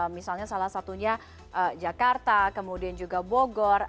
misalnya salah satunya jakarta kemudian juga bogor